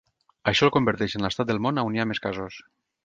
Això el converteix en l'estat del món a on hi ha més casos.